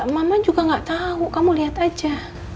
mama juga gak tahu kamu lihat aja